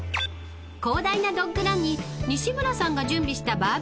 ［広大なドッグランに西村さんが準備したバーベキュースペース］